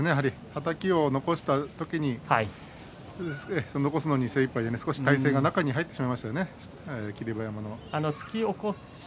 はたきを残した時に残すのが精いっぱいで体勢が中に入ってしまいましたね、霧馬山の。